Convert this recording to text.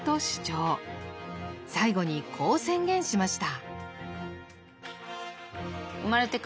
最後にこう宣言しました。